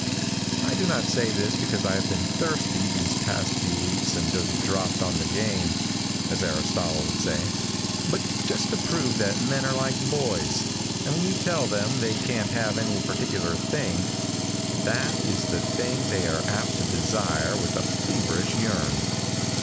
I do not say this because I have been thirsty these few past weeks and just dropped on the game, as Aristotle would say, but just to prove that men are like boys, and when you tell them they can't have any particular thing, that is the thing they are apt to desire with a feverish yearn.